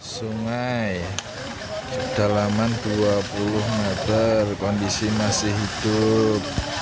sungai kedalaman dua puluh meter kondisi masih hidup